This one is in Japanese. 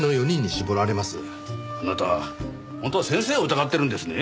あなた本当は先生を疑ってるんですね？